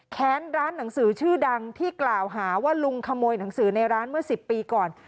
แค้นร้านหนังสือชื่อดังที่กล่าวหาว่าลุงขโมยหนังสือในร้านเมื่อ๑๐ปีก่อน